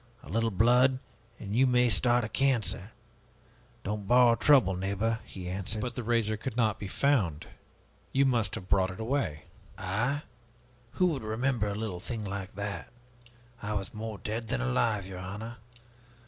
A little blood, and you may start a cancer!' 'Don't borrow trouble, neighbor,' he answered." "But the razor could not be found. You must have brought it away." "I? Who would remember a little thing like that? I was more dead than alive, your honor.